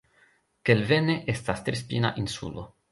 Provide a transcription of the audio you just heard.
Kelvenne estas terspina insulo.